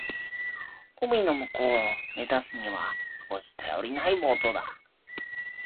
海の向こうを目指すには少し頼りないボートだ。